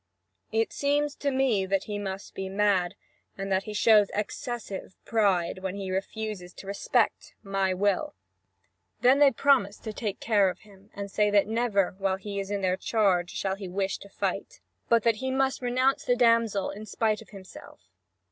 It seems to me that he must be mad, and that he shows excessive pride, when he refuses to respect my will." Then they promise to take care of him, and say that never, while he is in their charge, shall he wish to fight, but that he must renounce the damsel in spite of himself.